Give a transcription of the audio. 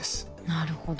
なるほど。